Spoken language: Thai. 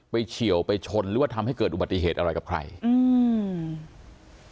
เฉียวไปชนหรือว่าทำให้เกิดอุบัติเหตุอะไรกับใครอืม